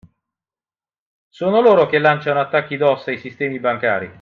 Sono loro che lanciano attacchi DoS ai sistemi bancari.